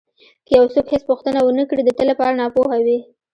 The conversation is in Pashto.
که یو څوک هېڅ پوښتنه ونه کړي د تل لپاره ناپوه وي.